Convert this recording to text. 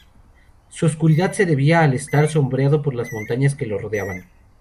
Su oscuridad se debía al estar sombreado por las montañas que lo rodeaban.